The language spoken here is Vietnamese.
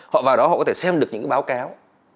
họ vào đó họ có thể xem được những cái báo cáo